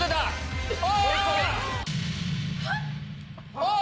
あっ！